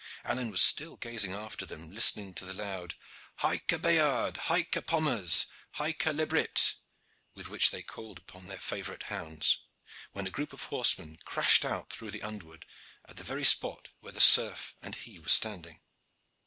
Alleyne was still gazing after them, listening to the loud "Hyke a Bayard! Hyke a Pomers! Hyke a Lebryt!" with which they called upon their favorite hounds, when a group of horsemen crashed out through the underwood at the very spot where the serf and he were standing.